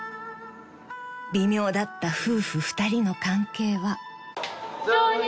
［微妙だった夫婦２人の関係は］